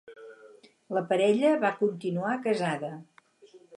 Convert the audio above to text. La parella va continuar casada.